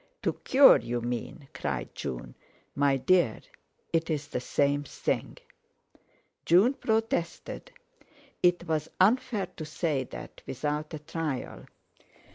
"To cure, you mean!" cried June. "My dear, it's the same thing." June protested. It was unfair to say that without a trial.